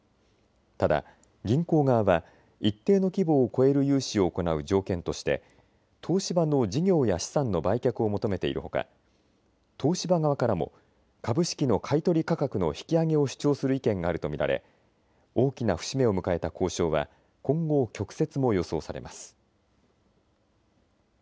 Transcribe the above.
ただ銀行側は一定の規模を超える融資を行う条件として東芝の事業や資産の売却を求めているほか東芝側からも株式の買い取り価格の引き上げを主張する意見があると見られ大きな節目を迎えた交渉は今後、曲折も予想されます。